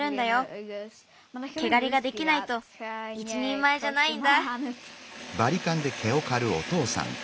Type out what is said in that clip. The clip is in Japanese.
けがりができないといちにんまえじゃないんだ。